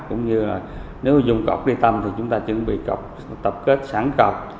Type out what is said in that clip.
cũng như là nếu dùng cọc đi tâm thì chúng ta chuẩn bị tập kết sẵn cọc